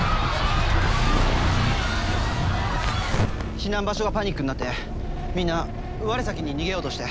避難場所がパニックになってみんな我先に逃げようとして。